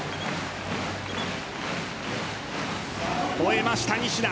ほえました、西田。